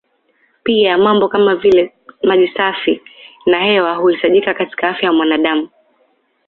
Pia mambo kama vile maji safi na hewa huhitajika katika afya ya mwanadam